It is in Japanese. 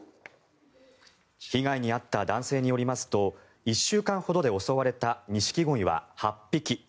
被害に遭った男性によりますと１週間ほどで襲われたニシキゴイは８匹。